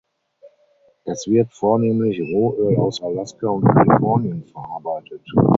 Es wird vornehmlich Rohöl aus Alaska und Kalifornien verarbeitet.